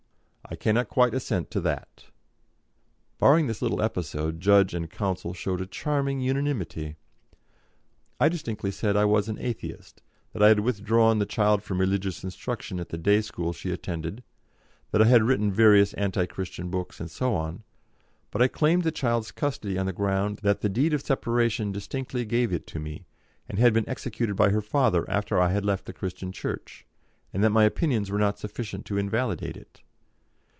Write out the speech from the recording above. "I cannot quite assent to that." Barring this little episode judge and counsel showed a charming unanimity. I distinctly said I was an Atheist, that I had withdrawn the child from religious instruction at the day school she attended, that I had written various anti Christian books, and so on; but I claimed the child's custody on the ground that the deed of separation distinctly gave it to me, and had been executed by her father after I had left the Christian Church, and that my opinions were not sufficient to invalidate it.